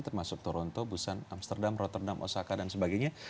termasuk toronto busan amsterdam rotterdam osaka dan sebagainya